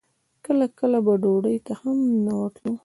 کله کله به ډوډۍ ته هم نه وتلو.